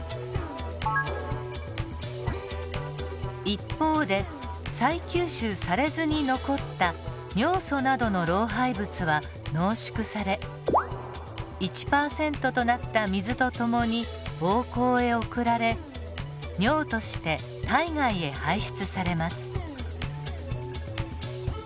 一方で再吸収されずに残った尿素などの老廃物は濃縮され１％となった水と共にぼうこうへ送られ尿として体外へ排出されます。